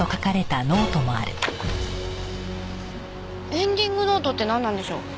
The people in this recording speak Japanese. エンディングノートってなんなんでしょう？